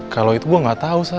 kalau itu gue gak tau